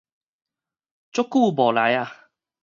足久無來矣